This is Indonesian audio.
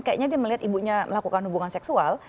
kayaknya dia melihat ibunya melakukan hubungan seksual